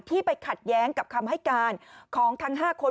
ไปขัดแย้งกับคำให้การของทั้ง๕คน